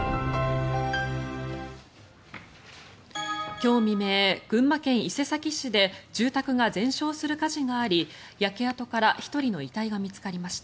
今日未明、群馬県伊勢崎市で住宅が全焼する火事があり焼け跡から１人の遺体が見つかりました。